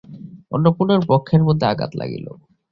অন্নপূর্ণার বক্ষের মধ্যে আঘাত লাগিল।